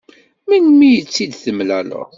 Melmi i tt-id-temlaleḍ?